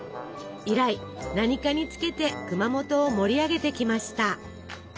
以来何かにつけて熊本を盛り上げてきました。